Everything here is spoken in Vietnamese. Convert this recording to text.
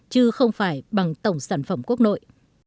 chứ không phải bằng tổng sản phẩm quốc nội